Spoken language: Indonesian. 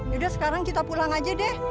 yaudah sekarang kita pulang aja deh